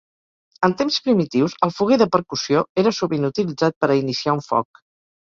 En temps primitius, el foguer de percussió era sovint utilitzat per a iniciar un foc.